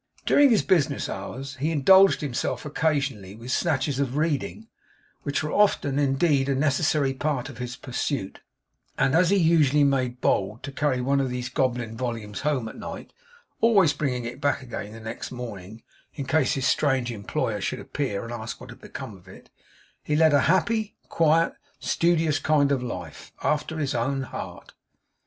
During his business hours, he indulged himself occasionally with snatches of reading; which were often, indeed, a necessary part of his pursuit; and as he usually made bold to carry one of these goblin volumes home at night (always bringing it back again next morning, in case his strange employer should appear and ask what had become of it), he led a happy, quiet, studious kind of life, after his own heart.